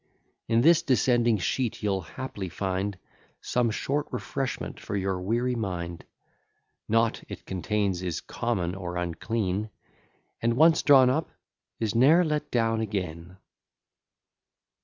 In this descending sheet you'll haply find Some short refreshment for your weary mind, Nought it contains is common or unclean, And once drawn up, is ne'er let down again.